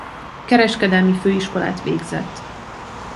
Kereskedelmi Főiskolát végzett.